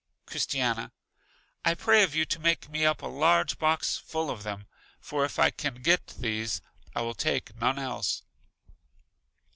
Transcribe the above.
Christiana: I pray of you to make me up a large box full of them, for if I can get these, I will take none else.